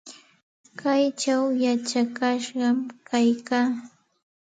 Kaychaw yachakashqam kaykaa.